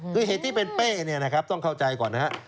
คือเหตุที่เป็นเป้เนี่ยนะครับต้องเข้าใจก่อนนะครับ